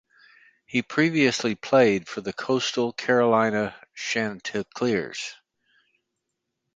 He previously played for the Coastal Carolina Chanticleers.